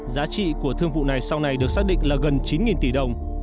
giá trị của thương vụ này sau này được xác định là gần chín tỷ đồng